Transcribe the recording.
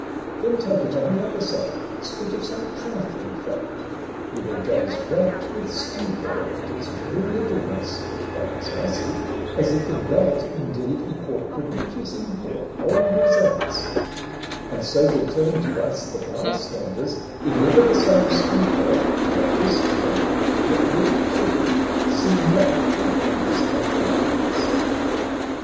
Then take it on the other side, Speak of some trifling fact, — he will gaze rapt With stupor at its very littleness, (Far as I see) as if in that indeed He caught prodigious import, whole results ; And so will turn to us the bystanders In ever the same stupor (note this point) That we too see not with his opened eyes.